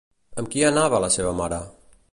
Amb qui anava la seva mare?